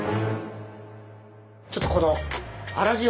ちょっとこの粗塩。